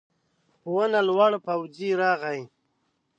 په ونه لوړ پوځي راغی.